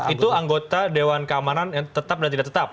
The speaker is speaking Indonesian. itu anggota dewan keamanan yang tetap dan tidak tetap